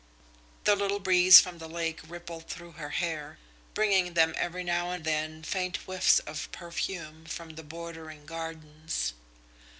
The little breeze from the lake rippled through her hair, bringing them every now and then faint whiffs of perfume from the bordering gardens.